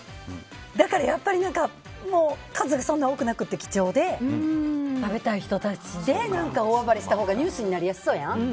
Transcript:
だから数がそんな多くなくて、貴重で食べたい人たちで大暴れしたほうがニュースになりやすそうやん。